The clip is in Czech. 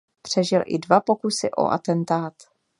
Přežil i dva pokusy o atentát.